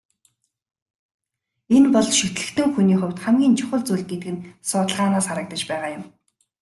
Энэ бол шүтлэгтэн хүний хувьд хамгийн чухал зүйл гэдэг нь судалгаанаас харагдаж байгаа юм.